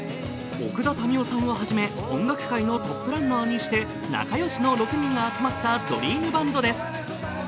奥田民生さんをはじめ音楽界のトップランナーにして仲良しの６人が集まったドリームバンドです。